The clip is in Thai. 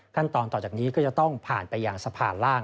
ขั้นตอนต่อจากนี้ก็จะต้องผ่านไปอย่างสภาล่าง